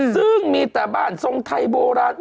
ซึ่งมีแต่บ้านทรงไทยโบราณ